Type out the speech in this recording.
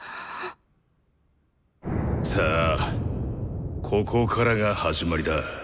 さあここからが始まりだ。